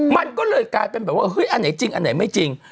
มันก็เลยกลายเป็นแบบว่าเฮ้ยอันไหนจริงอันไหนไม่จริง